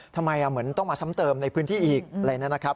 ทำไมเหมือนต้องมาซ้ำเติมในพื้นที่อีกอะไรอย่างนี้นะครับ